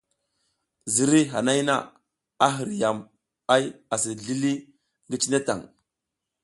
Ziriy hanay na, a hiriyam ay asi zlili ngi cine tan.